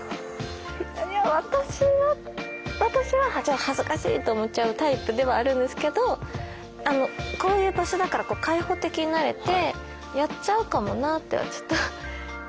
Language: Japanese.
私は私は恥ずかしいと思っちゃうタイプではあるんですけどこういう場所だから開放的になれてやっちゃうかもなってちょっと。